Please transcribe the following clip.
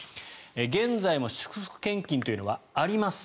現在も祝福献金というのははあります。